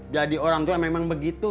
jadi orang tua memang begitu